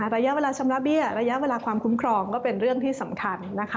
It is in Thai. ระยะเวลาชำระเบี้ยระยะเวลาความคุ้มครองก็เป็นเรื่องที่สำคัญนะคะ